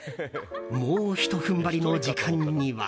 もうひと踏ん張りの時間には